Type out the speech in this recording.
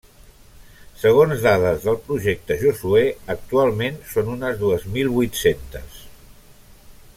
Segons dades del Projecte Josuè, actualment són unes dues mil vuit-centes.